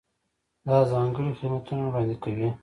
دا ځانګړي خدمتونه وړاندې کوي.